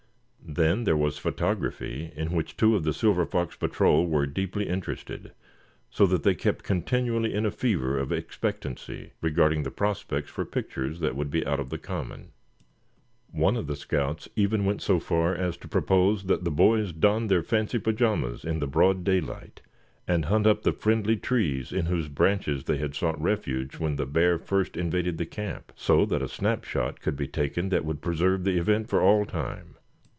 Then there was photography in which two of the Silver Fox Patrol were deeply interested, so that they kept continually in a fever of expectancy regarding the prospects for pictures that would be out of the common. One of the scouts even went so far as to propose that the boys don their fancy pajamas in the broad daylight, and hunt up the friendly trees, in whose branches they had sought refuge when the bear first invaded the camp; so that a snapshot could be taken that would preserve the event for all time.